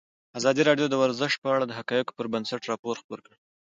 ازادي راډیو د ورزش په اړه د حقایقو پر بنسټ راپور خپور کړی.